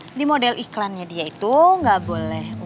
karena di model iklannya dia itu gak boleh umurnya tua